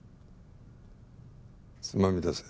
つまみ出せ。